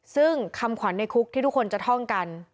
ซึ่งคำขวัญในคุกที่ทุกคนจะท่องกัน